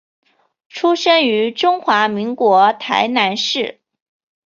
出生于中华民国台南市。